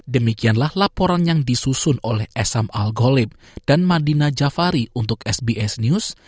demikianlah laporan yang disusun oleh esam al ghalib dan madina jafari untuk sbs news